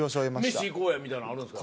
「飯行こうや」みたいなんあるんですか？